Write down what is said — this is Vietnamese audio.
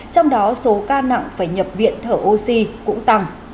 trong đó số ca nặng phải nhập viện thở oxy cũng tăng